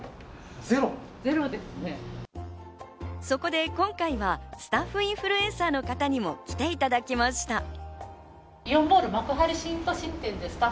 そこで今回はスタッフインフルエンサーの方にも来ていただきました。